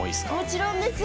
もちろんですよ。